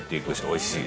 おいしい。